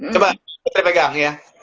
coba putri pegang ya